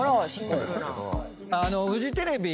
フジテレビ